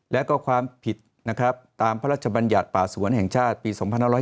แล้วก็ความผิดนะครับตามพระราชบัญญัติป่าสวนแห่งชาติปี๒๕๖๒